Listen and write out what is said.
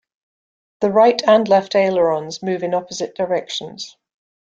The right and left ailerons move in opposite directions.